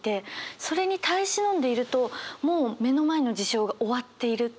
それに耐え忍んでいるともう目の前の事象が終わっているって。